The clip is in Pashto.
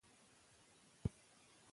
کله چې ښو اخلاق وي، شخړې به رامنځته نه شي.